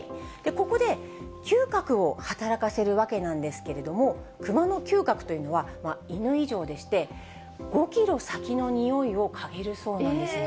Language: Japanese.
ここで、嗅覚を働かせるわけなんですけれども、クマの嗅覚というのは、犬以上でして、５キロ先の匂いを嗅げるそうなんですね。